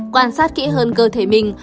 quan sát kỹ hơn cơ thể mình